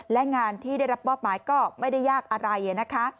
และงานที่ได้รับมอบหมายก็ไม่ได้ยากอะไรนะคะ